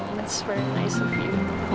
itu sangat baik dengan kamu